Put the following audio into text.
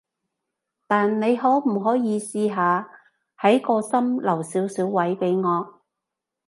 但你可唔可以試下喺個心留少少位畀我？